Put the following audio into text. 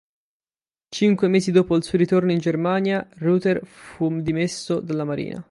Cinque mesi dopo il suo ritorno in Germania, Reuter fu dimesso dalla marina.